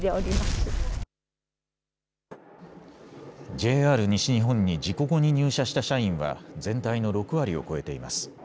ＪＲ西日本に事故後に入社した社員は全体の６割を超えています。